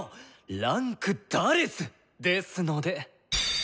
位階「４」ですので！